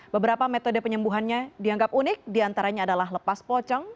beberapa metode penyembuhannya dianggap unik diantaranya adalah lepas pocong